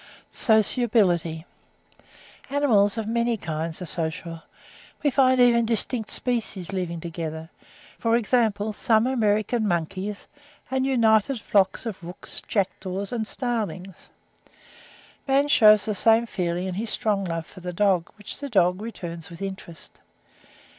SOCIABILITY. Animals of many kinds are social; we find even distinct species living together; for example, some American monkeys; and united flocks of rooks, jackdaws, and starlings. Man shews the same feeling in his strong love for the dog, which the dog returns with interest.